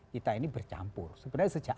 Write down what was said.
kita ini bercampur sebenarnya sejak